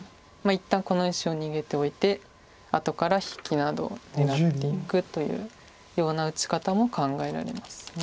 一旦この石を逃げておいて後から引きなどを狙っていくというような打ち方も考えられます。